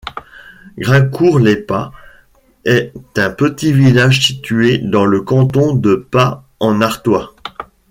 Grincourt-lès-Pas est un petit village situé dans le canton de Pas-en-Artois.